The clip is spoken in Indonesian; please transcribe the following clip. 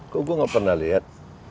kok gua gak pernah liat